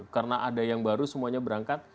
karena ada yang baru semuanya berangkat